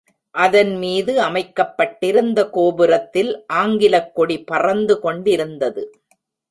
அதன் மீது அமைக்கப்பட்டிருந்த கோபுரத்தில் ஆங்கிலக் கொடி பறந்து கொண்டிருந்தது.